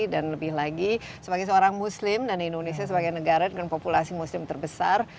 dan lebih lagi sebagai seorang muslim dan indonesia sebagai negara dengan populasi muslim terbesar